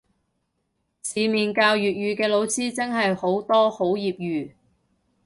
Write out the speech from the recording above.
市面教粵語嘅老師真係好多好業餘